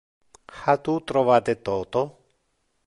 Ha tu trovate toto?